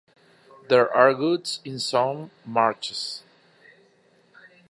There are gods in some marches.